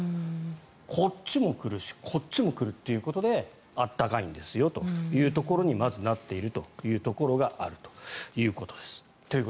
こっちも来るしこっちも来るということで暖かいんですよというところにまずなっているということです。